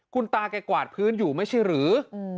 คุณตาแกกวาดพื้นอยู่ไม่ใช่หรือ